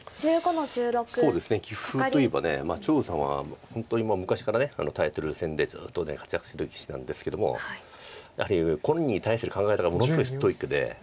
そうですね棋風といえば張栩さんは本当に昔からタイトル戦でずっと活躍してる棋士なんですけども。やはり碁に対する考え方がものすごいストイックで。